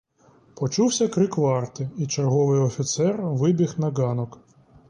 Почувся крик варти, і черговий офіцер вибіг на ґанок.